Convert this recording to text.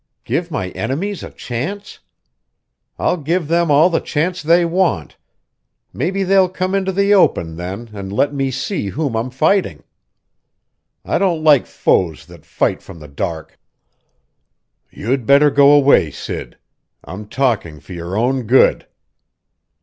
Give my enemies a chance? I'll give them all the chance they want. Maybe they'll come into the open, then, and let me see whom I'm fighting! I don't like foes that fight from the dark!" "You'd better go away, Sid. I'm talking for your own good!"